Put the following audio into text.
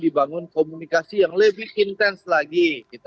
kita harus bangun komunikasi yang lebih intens lagi